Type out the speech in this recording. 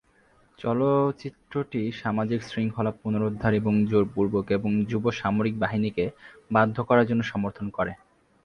চলচ্চিত্রটি সামাজিক শৃঙ্খলা পুনরুদ্ধার এবং জোরপূর্বক এবং যুব সামরিক বাহিনীকে বাধ্য করার জন্য সমর্থন করে।